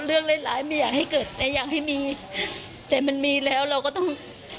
หลายหลายไม่อยากให้เกิดแต่อยากให้มีแต่มันมีแล้วเราก็ต้อง